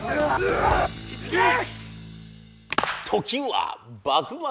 時は幕末。